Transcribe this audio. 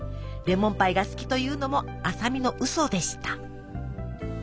レモンパイが好きというのも麻美のウソでした。